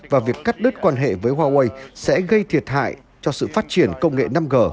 và việc cắt đứt quan hệ với huawei sẽ gây thiệt hại cho sự phát triển công nghệ năm g